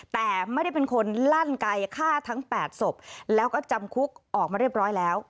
แต่ไม่ได้เป็นคนลั่นไกลฆ่าทั้ง๘ศพแล้วก็จำคุกออกมาเรียบร้อยแล้ว